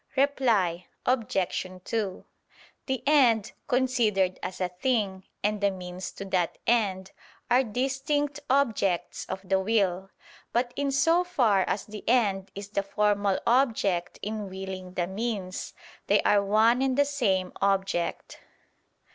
Reply Obj. 2: The end, considered as a thing, and the means to that end, are distinct objects of the will. But in so far as the end is the formal object in willing the means, they are one and the same object.